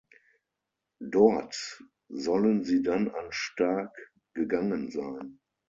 Dort sollen sie dann an Starck gegangen sein.